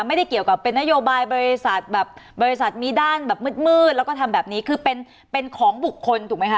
ไม่ได้เกี่ยวกับเป็นนโยบายบริษัทแบบบริษัทมีด้านแบบมืดแล้วก็ทำแบบนี้คือเป็นของบุคคลถูกไหมคะ